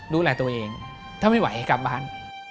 ดูแลตัวเองถ้าไม่ไหวกลับบ้าน